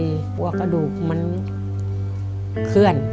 กลัวกระดูกมันเคลื่อน